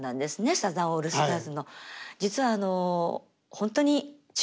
サザンオールスターズ